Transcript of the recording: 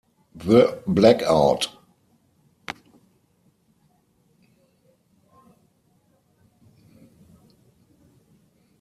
The Blackout!